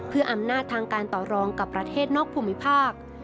เพื่ออำนาจทางการต่อรองกับประเทศนอกภูมิภาค